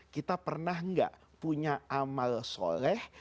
kita pernah nggak punya amal soleh